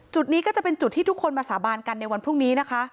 นี้ก็จะเป็นจุดที่ทุกคนมาสาบานกันในวันพรุ่งนี้นะคะ